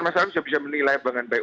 masyarakat bisa menilai dengan baik